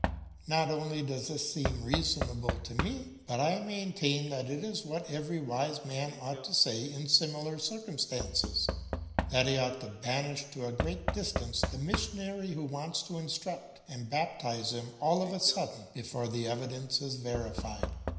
"Not only does this seem reasonable to me, but I maintain that it is what every wise man ought to say in similar circumstances; that he ought to banish to a great distance the missionary who wants to instruct and baptise him all of a sudden before the evidence is verified.